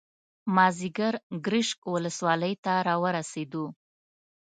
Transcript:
مازیګر ګرشک ولسوالۍ ته راورسېدو.